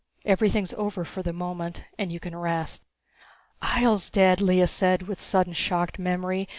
Everything's over for the moment and you can rest." "Ihjel's dead!" Lea said with sudden shocked memory.